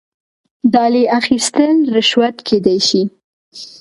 ډالۍ اخیستل رشوت کیدی شي